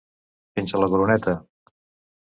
Fins a la coroneta.